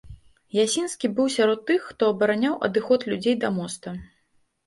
Ясінскі быў сярод тых, хто абараняў адыход людзей да моста.